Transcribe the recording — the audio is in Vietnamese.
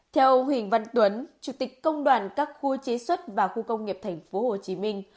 theo huỳnh văn tuấn chủ tịch công đoàn các khu chế xuất và khu công nghiệp tp hcm